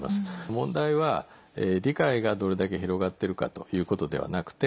問題は、理解がどれだけ広がっているかということではなくて